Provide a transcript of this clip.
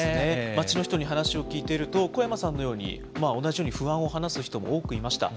街の人に話を聞いていると、小山さんのように同じように不安を話す人も多くいました。